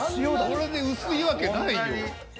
これで薄いわけないよ。